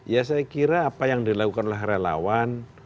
ya saya kira apa yang dilakukan oleh relawan